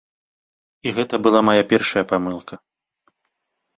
І гэта была мая першая памылка.